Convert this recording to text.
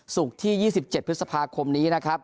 ศุกร์ที่๒๗พฤษภาคมนี้นะครับ